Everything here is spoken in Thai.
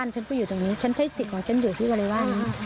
ฉันใช้สิทธิ์ของฉันอยู่ที่วรรยาบ้านนี้